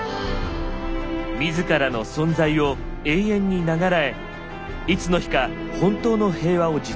自らの存在を永遠に永らえいつの日か本当の平和を実現する。